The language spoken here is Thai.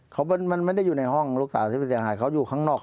เขามันไม่ได้อยู่ในห้องลูกสาวที่ผู้เสียหายเขาอยู่ข้างนอก